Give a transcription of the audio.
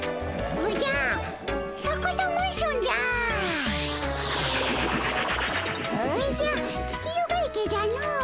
おじゃ月夜が池じゃの。